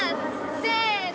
せの。